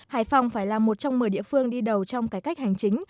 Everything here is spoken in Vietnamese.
hải phòng phải là một trong một mươi địa phương đi đầu trong cải cách hành chính